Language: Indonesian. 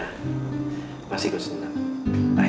habis bercanda saat gue olah